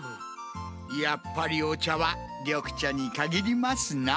やっぱりおちゃはりょくちゃにかぎりますな。